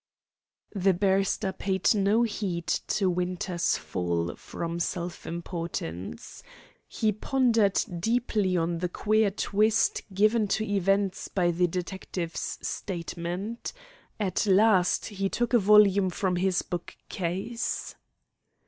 The barrister paid no heed to Winter's fall from self importance. He pondered deeply on the queer twist given to events by the detective's statement. At last he took a volume from his book case.